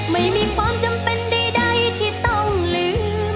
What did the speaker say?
ไม่มีความจำเป็นใดที่ต้องลืม